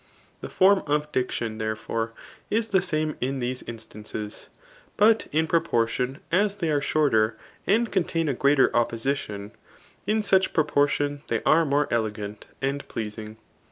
The form of diction, therefore, is the same in these instances ; but in proportion as they are shorter, and contain a greater opposition, in such prQpQr<( tion they are niore elegant and pleasing.